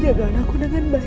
jaga anakku dengan baik ya